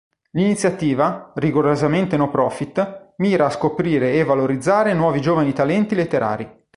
L'iniziativa, rigorosamente no-profit, mira a scoprire e valorizzare nuovi giovani talenti letterari.